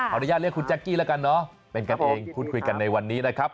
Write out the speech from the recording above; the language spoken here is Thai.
อนุญาตเรียกคุณแจ๊กกี้แล้วกันเนอะเป็นกันเองพูดคุยกันในวันนี้นะครับ